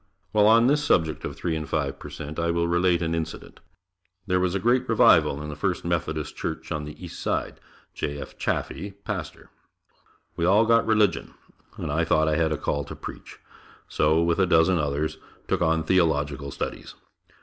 While on this subject of three and five per cent, I will relate an incident. There was a great revival in the First Methodist Church on the East Side, J. F. Chaffee, pastor. We all got religion, and I thought I had a call to preach, so with a dozen others, took on theological studies.